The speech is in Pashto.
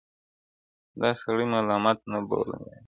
دا سړی ملامت نه بولم یارانو,